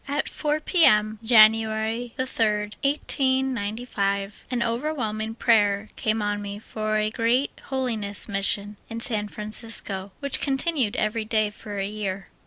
At 4 P. M., January 3d, 1895, ^^ over^vhelming prayer came on me for a great Holiness Mission in San Francisco, which continued every day for a year.